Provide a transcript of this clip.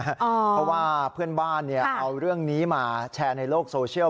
เพราะว่าเพื่อนบ้านเอาเรื่องนี้มาแชร์ในโลกโซเชียล